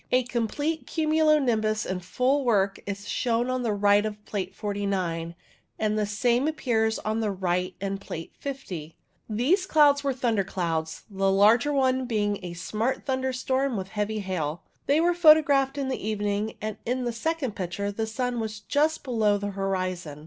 A complete cumulo nimbus in full work is shown on the right of Plate 49, and the same appears on the right in Plate 50, These clouds were thunder clouds, the larger one being a smart thunderstorm with heavy hail. They were photographed in the evening, and in the second picture the sun was just below the horizon.